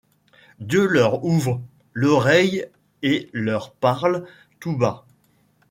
Dieu leur ouvre, l'oreille et leur parle. tout. bas.